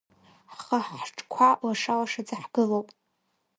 Ҳхаҳҿқәа лаша-лашаӡа ҳгылоуп.